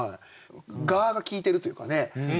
「が」が効いてるというかね。